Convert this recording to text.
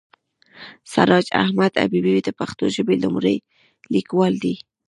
سراج احمد حبیبي د پښتو ژبې لوی لیکوال دی.